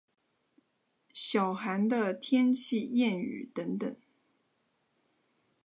小寒的天气谚语等等。